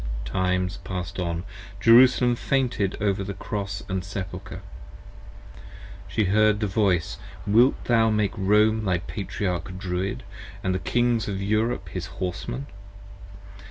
Times passed on: Jerusalem fainted over the Cross & Sepulcher. She heard the voice: 50 Wilt thou make Rome thy Patriarch Druid, & the Kings of Europe his Horsemen?